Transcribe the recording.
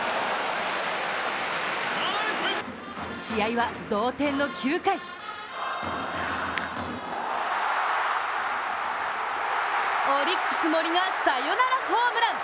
試合は、同点の９回オリックス・森がサヨナラホームラン！